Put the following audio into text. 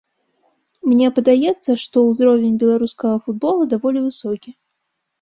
Мне падаецца, што ўзровень беларускага футбола даволі высокі.